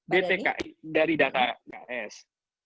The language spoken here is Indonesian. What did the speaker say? dtks dari data dtks